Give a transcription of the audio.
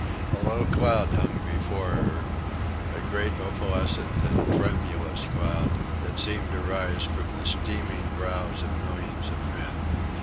A low cloud hung before her a great opalescent and tremulous cloud, that seemed to rise from the steaming brows of millions of men.